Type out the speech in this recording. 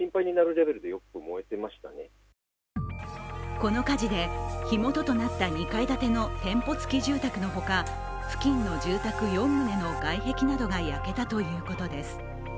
この火事で、火元となった２階建ての店舗付き住宅のほか、付近の住宅４棟の外壁などが焼けたということです。